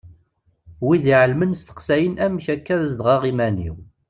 Wid iɛelmen steqsayen amek akka zedɣeɣ iman-iw.